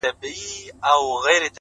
o خود به يې اغزی پرهر. پرهر جوړ کړي.